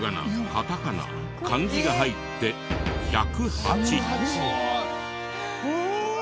カタカナ漢字が入ってええ！